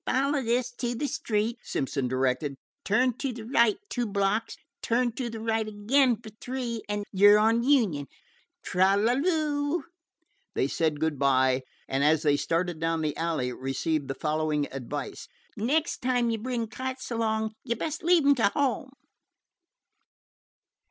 "Follow this to the street," Simpson directed; "turn to the right two blocks, turn to the right again for three, an' yer on Union. Tra la loo." They said good by, and as they started down the alley received the following advice: "Nex' time you bring kites along, you 'd best leave 'em to home."